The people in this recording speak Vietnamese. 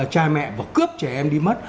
cha mẹ và cướp trẻ em đi mất